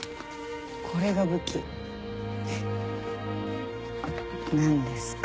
これが武器？なんですか？